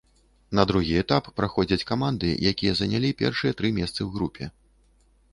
На другі этап праходзяць каманды, якія занялі першыя тры месцы ў групе.